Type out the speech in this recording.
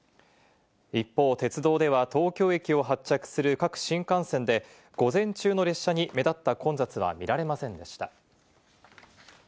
一方、鉄道では東京駅を発着する各新幹線で午前中の列車に目立った混雑は見られませんでした。